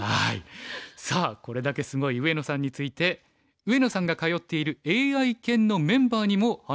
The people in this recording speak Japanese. さあこれだけすごい上野さんについて上野さんが通っているＡＩ研のメンバーにも話を聞いてきました。